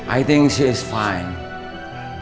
aku pikir dia baik baik aja